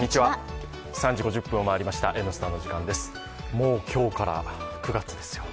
もう今日から９月ですよ。